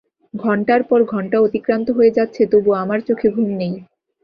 ঘন্টার পর ঘণ্টা অতিক্রান্ত হয়ে যাচ্ছে তবু আমার চোখে ঘুম নেই।